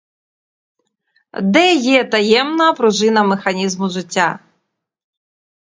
Де є таємна пружина механізму життя?